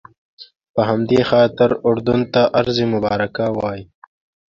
په همدې خاطر اردن ته ارض مبارکه وایي.